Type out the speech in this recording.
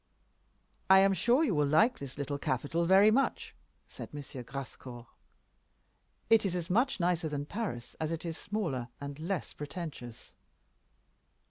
"I am sure you will like this little capital very much," said M. Grascour. "It is as much nicer than Paris as it is smaller and less pretentious."